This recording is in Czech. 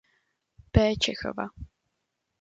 P. Čechova.